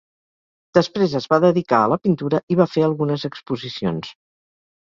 Després es va dedicar a la pintura i va fer algunes exposicions.